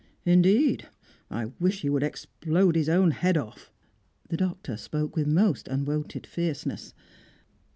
"Indeed? I wish he would explode his own head off." The Doctor spoke with most unwonted fierceness.